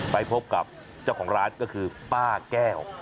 ไปพบกับเจ้าของร้านก็คือป้าแก้ว